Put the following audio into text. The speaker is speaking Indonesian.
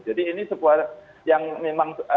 jadi ini sebuah yang memang